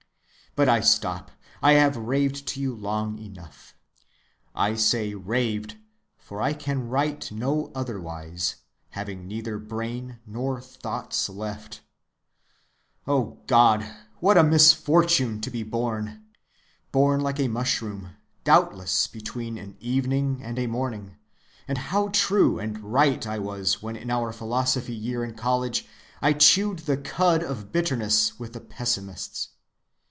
But I stop. I have raved to you long enough. I say raved, for I can write no otherwise, having neither brain nor thoughts left. O God! what a misfortune to be born! Born like a mushroom, doubtless between an evening and a morning; and how true and right I was when in our philosophy‐year in college I chewed the cud of bitterness with the pessimists.